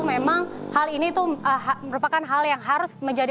memang hal ini itu merupakan hal yang harus menjadi